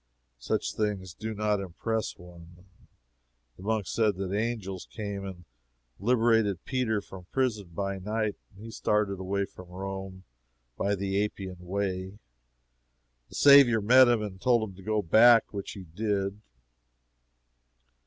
Such things do not impress one. The monk said that angels came and liberated Peter from prison by night, and he started away from Rome by the Appian Way. The Saviour met him and told him to go back, which he did.